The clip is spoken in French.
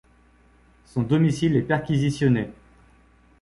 Son domicile est perquisitionné.